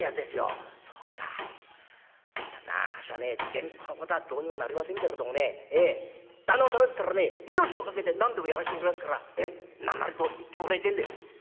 銭っこのことはどうにもなりませんけれどもね旦那のためだったらね命を懸けて何でもやらしてもらいますから何なりと言ってもらいてえんで」。